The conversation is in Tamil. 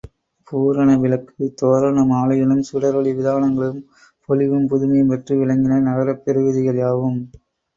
பூரண விளக்கு, தோரண மாலைகளும் சுடரொளி விதானங்களுமாகப் பொலிவும் புதுமையும் பெற்று விளங்கின, நகரப்பெரு வீதிகள் யாவும்.